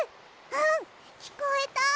うんきこえた！